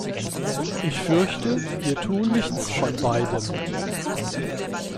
Ich fürchte, wir tun nichts von beidem.